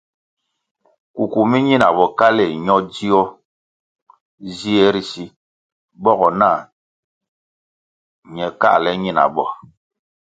Kuku mi ñina bokaléh ño dzio zie ri si bogo nah ñe káhle ñinabo.